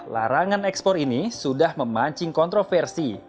larangan ekspor ini sudah memancing kontroversi